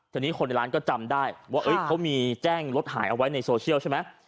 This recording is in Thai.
ทีนี้คนในร้านก็จำได้ว่าเขามีแจ้งรถหายเอาไว้ในโซเชียลใช่ไหม